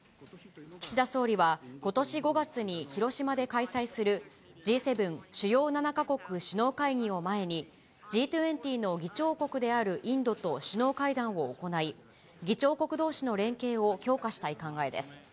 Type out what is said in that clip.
岸田総理は、ことし５月に広島で開催する、Ｇ７・主要７か国首脳会議を前に、Ｇ２０の議長国であるインドと首脳会談を行い、議長国どうしの連携を強化したい考えです。